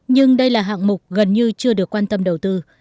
nhưng đây là hạng mục gần như chưa được quan tâm đầu tư